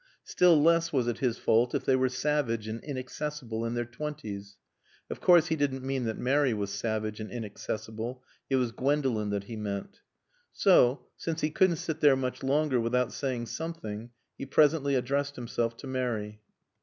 Still less was it his fault if they were savage and inaccessible in their twenties. Of course he didn't mean that Mary was savage and inaccessible. It was Gwendolen that he meant. So, since he couldn't sit there much longer without saying something, he presently addressed himself to Mary.